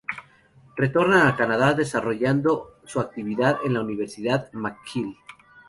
Retorna a Canadá desarrollando su actividad en la Universidad McGill.